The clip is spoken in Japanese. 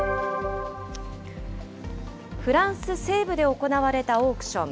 フランス西部で行われたオークション。